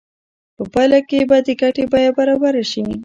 په پایله کې به د ګټې بیه برابره شي